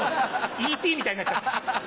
『Ｅ．Ｔ．』みたいになっちゃった。